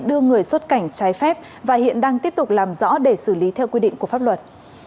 đưa người xuất cảnh trái phép và hiện đang tiếp tục làm rõ để xử lý theo quy định của pháp luật